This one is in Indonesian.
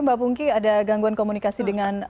mbak pungki ada gangguan komunikasi dengan